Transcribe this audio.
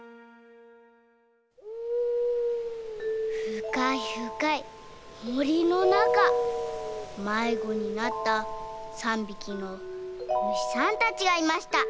ふかいふかいもりのなかまいごになった３びきのむしさんたちがいました。